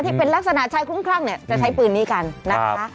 ที่เป็นลักษณะชายคุ้มคลั่งเนี่ยจะใช้ปืนนี้กันนะคะ